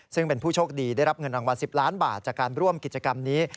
ซึ่งเป็นผู้โชคดีได้รับเงินรางวัล๑๐ล้านบาทจากการร่วมกิจกรรมนี้